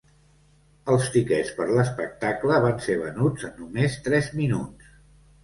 Els tiquets per l'espectacle van ser venuts en només tres minuts.